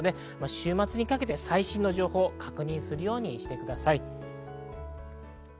週末にかけて最新の情報を確認するようにしてください。